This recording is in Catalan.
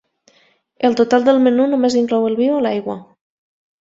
El total del menú només inclou el vi o l'aigua.